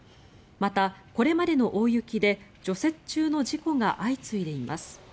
また、これまでの大雪で除雪中の事故が相次いでいます。